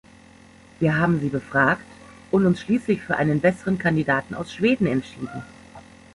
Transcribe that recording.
Wir haben sie befragt und uns schließlich für einen besseren Kandidaten aus Schweden entschieden.